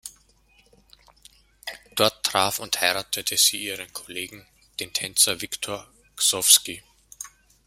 Dort traf und heiratete sie ihren Kollegen, den Tänzer Victor Gsovsky.